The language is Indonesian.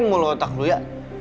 mulut otak lo ya